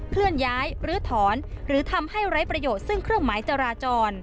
เคลื่อนย้ายหรือถอนหรือทำให้ไร้ประโยชน์ซึ่งเครื่องหมายจราจร